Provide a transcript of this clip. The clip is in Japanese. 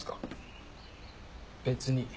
別に。